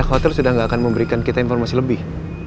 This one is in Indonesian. pihak hotel sudah nggak akan memberikan kita informasi lebih